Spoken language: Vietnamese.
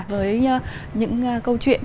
với những câu chuyện